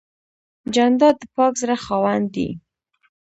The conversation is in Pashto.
جانداد د پاک زړه خاوند دی.